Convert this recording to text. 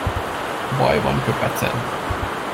Baj van Köpecen.